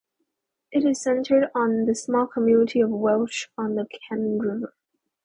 It is centered on the small community of Welch on the Cannon River.